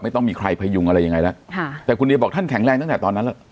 ต้องมีใครพยุงอะไรยังไงแล้วค่ะแต่คุณเดียบอกท่านแข็งแรงตั้งแต่ตอนนั้นแล้ว